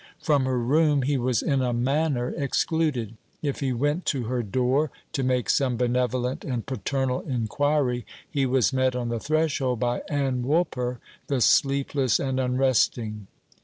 From her room he was in a manner excluded. If he went to her door to make some benevolent and paternal inquiry, he was met on the threshold by Ann Woolper, the sleepless and unresting.